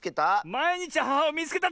「まいにちアハハをみいつけた！」